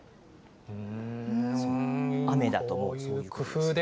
雨だともうそういう工夫で。